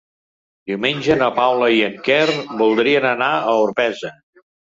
Diumenge na Paula i en Quer voldrien anar a Orpesa.